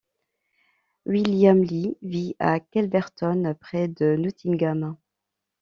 William Lee vit à Calverton près de Nottingham.